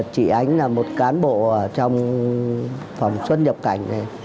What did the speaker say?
chị ánh là một cán bộ trong phòng xuất nhập cảnh